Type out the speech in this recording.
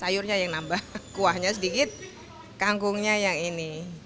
sayurnya yang nambah kuahnya sedikit kangkungnya yang ini